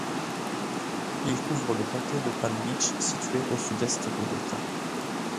Il couvre le comté de Palm Beach situé au sud-est de l'État.